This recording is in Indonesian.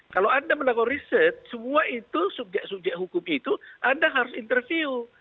kalau anda melakukan riset semua itu subjek subjek hukum itu anda harus interview